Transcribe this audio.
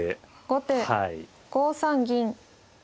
後手５三銀。